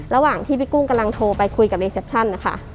ระหว่างที่พี่กุ้งกำลังโทรไปคุยกับรีเซปชั่นนะคะ